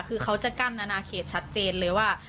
คือเขาจะกั้นอนาเขตชัดเจนเลยว่า